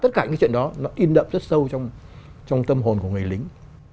tất cả những chuyện đó nó in đậm rất sâu trong tâm hồn của người lính